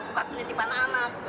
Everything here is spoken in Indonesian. bukan penitipan anak